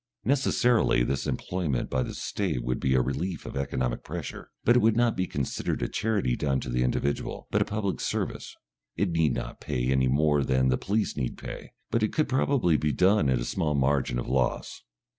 Necessarily this employment by the State would be a relief of economic pressure, but it would not be considered a charity done to the individual, but a public service. It need not pay, any more than the police need pay, but it could probably be done at a small margin of loss.